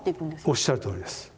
おっしゃるとおりです。